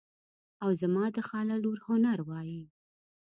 او زما د خاله لور هنر وایي.